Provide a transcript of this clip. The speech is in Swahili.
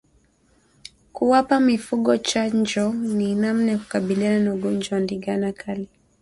Kuwapa mifugo chanjo ni namna ya kukabiliana na ugonjwa wa ndigana kali